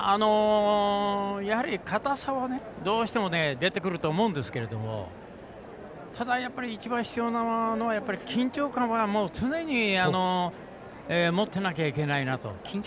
やはり硬さはどうしても出てくると思うんですけどもただ、一番必要なのは緊張感は常にもってなきゃいけないなと。